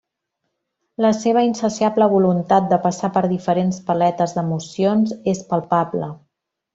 La seva insaciable voluntat de passar per diferents paletes d'emocions és palpable.